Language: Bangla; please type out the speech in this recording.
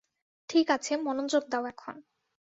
ঠিক আছে, মনোযোগ দাও এখন।